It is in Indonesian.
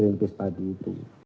kkp seperti itu